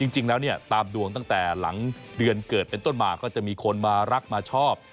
จริงแล้วเนี่ยตามดวงตั้งแต่หลังเดือนเกิดเป็นต้นมาก็จะมีคนมารักมาชอบ